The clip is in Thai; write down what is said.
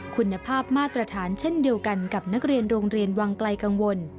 คุณภาพมาตรฐานเช่นเดียวกันกับนักเรียนโรงเรียนวังไกลกังวล